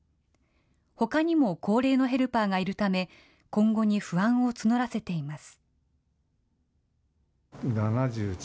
ほかにも高齢のヘルパーがいるため、今後に不安を募らせています。